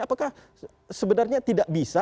apakah sebenarnya tidak bisa